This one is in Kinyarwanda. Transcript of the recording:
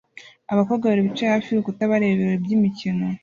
Abakobwa babiri bicaye hafi y'urukuta bareba ibirori by'imikino